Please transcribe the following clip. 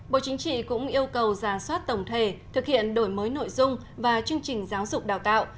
bộ chính trị cũng yêu cầu giả soát tổng thể thực hiện đổi mới nội dung và chương trình giáo dục đào tạo